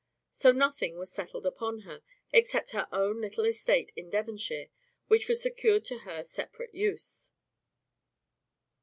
So nothing was settled upon her, except her own little estate in Devonshire, which was secured to her separate use.